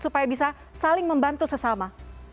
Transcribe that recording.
supaya bisa saling membantu sesama